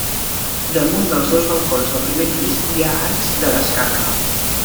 Damunt dels dos balcons del primer pis hi ha arcs de descàrrega.